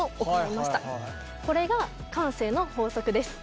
これが慣性の法則です。